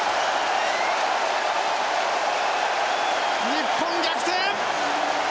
日本逆転！